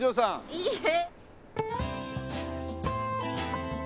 いいえ。